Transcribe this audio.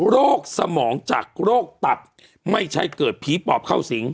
สมองจากโรคตับไม่ใช่เกิดผีปอบเข้าสิง